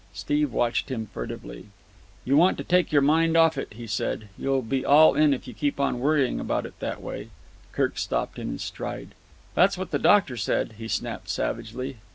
Steve watched him furtively. "You want to take your mind off it," he said. "You'll be all in if you keep on worrying about it in that way." Kirk stopped in his stride. "That's what the doctor said," he snapped savagely.